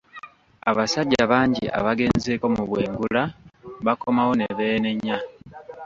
Abasajja bangi abagenzeko mu bwengula bakomawo ne beenenya.